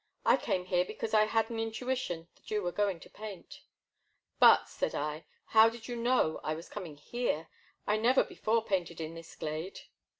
I came here because I had an intuition that you were going to paint. But, said I, how did you know I was com ing here ? I never before painted in this glade.